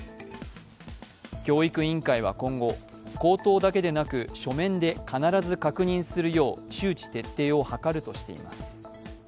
教育委員会は今後口頭だけでなく書面で必ず確認するよう周知徹底を図るとしています。